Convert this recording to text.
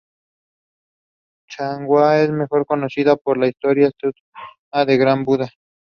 First up were Nos.